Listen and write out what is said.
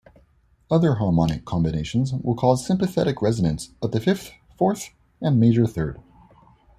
Other harmonic combinations will cause sympathetic resonance at the fifth, fourth and major third.